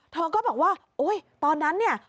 เธอก็บอกว่าโอ๊ยตอนนั้นเนี่ย